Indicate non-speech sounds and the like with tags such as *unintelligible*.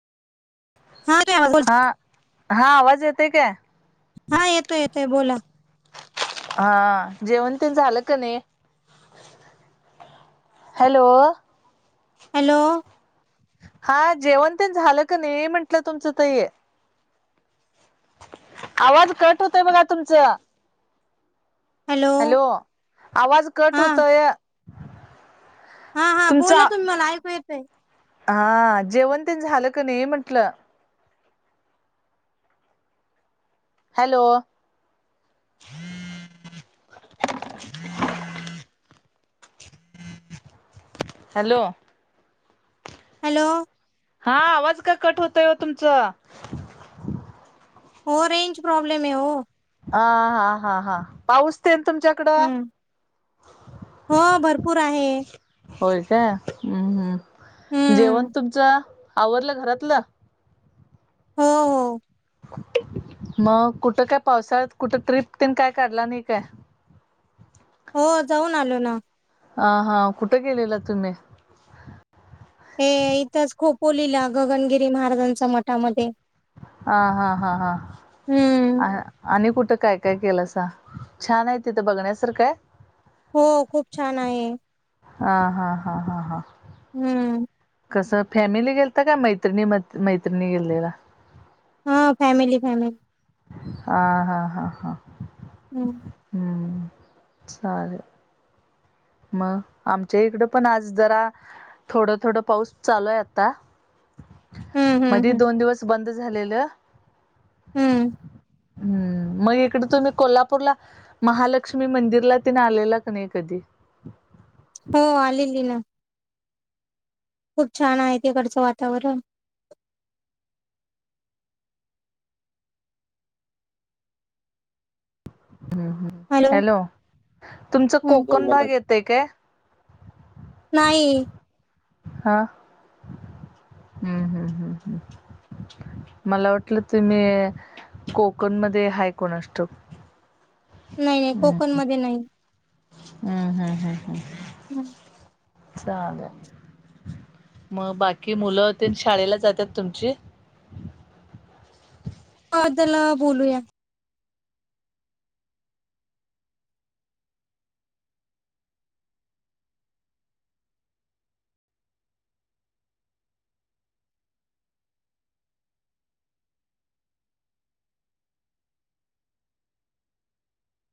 हा येतोय आवाज *unintelligible* हा हा आवाज येतंय काय हा येतोय-येतोय बोला. हा जेवण तेन झालं का नाही? Hello hello. हा जेवण तेन झालं का नाही, म्हंटलं तुमचं ताई? आवाज कट होतंय बघा तुमचं. हॅलो आवाज कट हा होतंय. हा हा बोला तुम्ही, मला ऐकू येतंय. हा, जेवण तेन झालं का नाही म्हंटलं? हॅलो. हॅलो. हॅलो. हा आवाज का कट होतंय ओ तुमचं? हो रेंज प्रॉब्लेम आहे ओ. आ-हा-हा-हा पाऊस तेन, तुमच्याकडं? हम्म हो भरपूर आहे. होय काय हम्म् हम्म् हम्म जेवण तुमचं, आवरलं घरातलं? हो-हो. मग कुठं काय? पावसाळ्यात कुठं? ट्रिप तेन काय काढला नाही काय? हो जाऊन आलो ना हा हा कुठं गेलेला तुम्ही हे इथंच खोपोलीला गगनगिरी महाराजांच्या मठामध्ये हा हा हां हां हम्म अ हा आणि कुठं काय काय केलासा छान आहे तिथं बघण्यासारखाय हो खूप छान आहे हा हा हा हा हा हम्म कसं फॅमिली गेलता का मैत्रिणी मत मैत्रिणी गेलेला हा फॅमिली फॅमिली हा हा हा हा हम्म्. हम्म् चालेल. मग आमच्या इकड पण आज जरा थोडं थोडं पाऊस चालूय आता हम्म हम्म मधी हम्म दोन दिवस बंद झालेलं हम्म हम्म मग इकड तुम्ही कोल्हापूरला महालक्ष्मी मंदिरला तेन आलेला क नाही कधी हो आलेली ना खूप छान आहे तिकडचं वातावरण ह हम हॅलो तुमच कोकण हम्म भाग येतय काय नाही हा हम्म हम्म हम्म हम्म मला वाटलं तुम्ही कोकण मध्ये हाय कोणाश ठाऊक नाही नाही हम्म कोकणमध्ये नाही हम्म हम् हम् हम् *inaudible* चालेल मग बाकी मुलं तेन शाळेला जातात तुमची ह त्याला बोलूया